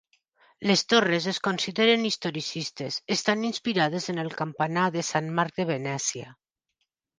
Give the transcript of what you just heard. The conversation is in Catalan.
Les torres es consideren historicistes, estan inspirades en el campanar de Sant Marc de Venècia.